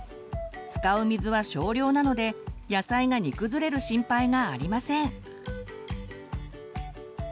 使う水は少量なので野菜が煮崩れる心配がありません。